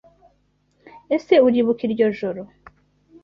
Ese Uribuka iryo joro?